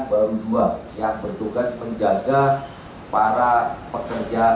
baru dua yang bertugas menjaga para pekerja